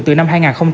từ năm hai nghìn chín